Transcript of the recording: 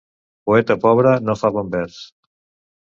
Poeta pobre no fa bon vers.